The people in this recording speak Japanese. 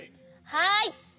はい。